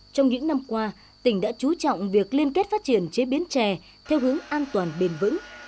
trong những năm qua tỉnh đã trú trọng việc liên kết phát triển chế biến chè theo hướng an toàn bền vững